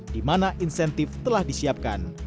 di mana insentif telah disiapkan